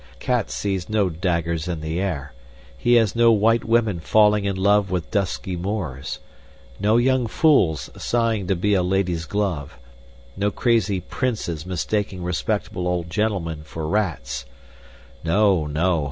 Cats sees no daggers in the air; he has no white women falling in love with dusky Moors; no young fools sighing to be a lady's glove; no crazy princes mistaking respectable old gentlemen for rats. No, no.